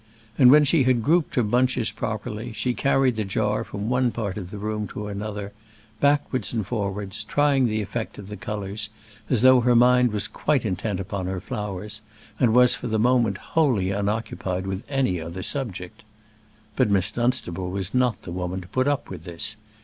And when she had grouped her bunches properly she carried the jar from one part of the room to another, backwards and forwards, trying the effect of the colours, as though her mind was quite intent upon her flowers, and was for the moment wholly unoccupied with any other subject. But Miss Dunstable was not the woman to put up with this.